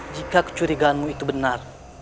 jika kecurigaanmu itu benar